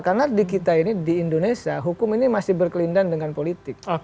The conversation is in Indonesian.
karena di kita ini di indonesia hukum ini masih berkelindahan dengan politik